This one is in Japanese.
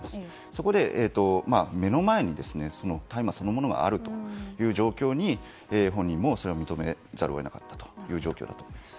そこで、目の前に大麻そのものがあるという状況に本人もそれは認めざるを得なかったという状況だと思います。